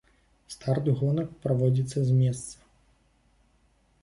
Старт гонак праводзіцца з месца.